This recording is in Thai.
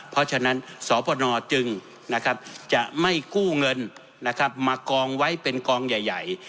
เพราะฉะนั้นสพนจึงจะไม่กู้เงินมากองไว้เป็นกองใหญ่